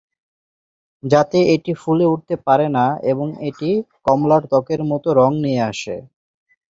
যাতে এটি ফুলে উঠতে পারে না এবং এটি কমলার ত্বকের মতো রং নিয়ে আসে।